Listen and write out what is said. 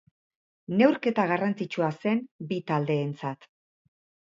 Neurketa garrantzitsua zen bi taldeentzat.